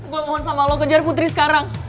gue mohon sama lo kejar putri sekarang